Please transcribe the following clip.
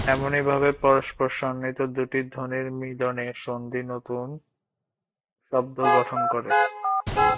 এমনিভাবে পরস্পর সন্নিহিত দুটি ধ্বনির মিলনে সন্ধি নতুন শব্দ গঠন করে।